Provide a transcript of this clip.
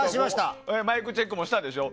マイクチェックもしたんでしょ。